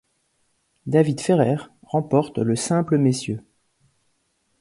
David Ferrer remporte le simple messieurs.